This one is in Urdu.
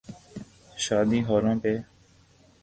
شادی ہالوں پہ۔